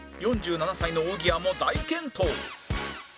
４７歳のおぎやも大健闘